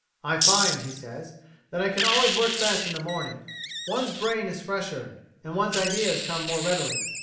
"I find," he says, "that I can always work best in the morning. One's brain is fresher and one's ideas come more readily.